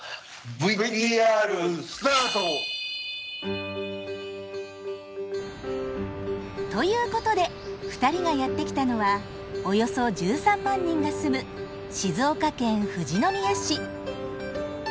ＶＴＲスタート。ということで２人がやって来たのはおよそ１３万人が住む静岡県富士宮市。